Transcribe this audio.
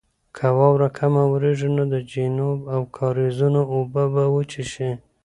که واوره کمه وورېږي نو د چینو او کاریزونو اوبه به وچې شي.